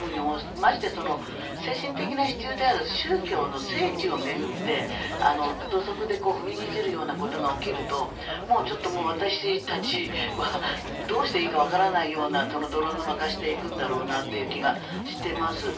まして精神的な支柱である宗教の聖地を巡って土足で踏みにじるようなことが起きるとちょっと私たちはどうしていいかわからないような泥沼化していくんだろうなという気がしています。